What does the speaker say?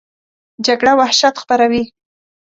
جګړه وحشت خپروي